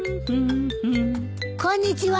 こんにちは。